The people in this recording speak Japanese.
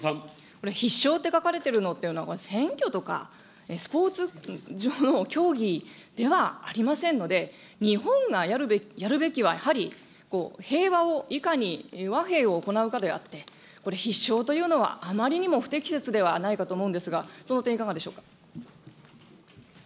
この必勝と書かれてるっていうのは、選挙とか、スポーツの競技ではありませんので、日本がやるべきは、やはり平和をいかに、和平を行うかであって、これ、必勝というのはあまりにも不適切ではないかと思うんですが、その点、いかがでしょうか。